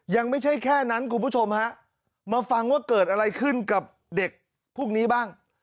ยังไม่ใช่แค่นั้นคุณผู้ชมฮะมาฟังว่าเกิดอะไรขึ้นกับเด็กพวกนี้บ้าง